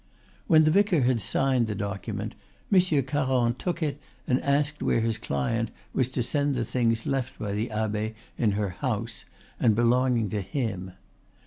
When the vicar had signed the document, Monsieur Caron took it and asked where his client was to send the things left by the abbe in her house and belonging to him.